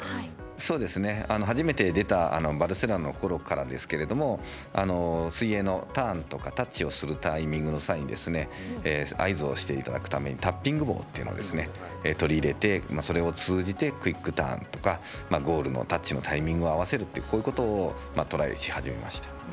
そうですね、初めて出たバルセロナのころからですけれども水泳のターンとかタッチをするタイミングの際に合図をしていただくためにタッピング棒というのを取り入れて、それを通じてクイックターンとかゴールのタッチのタイミングを合わせるというこういうことをトライし始めました。